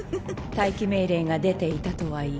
待機命令が出ていたとはいえ。